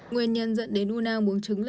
nguyên nhân dẫn đến u nang buông trứng là